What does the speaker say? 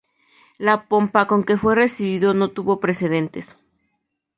La pompa con que fue recibido no tuvo precedentes.